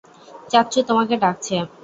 চাচ্চু তোমাকে ডাকছে।